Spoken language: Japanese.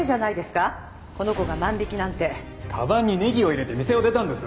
かばんにネギを入れて店を出たんです。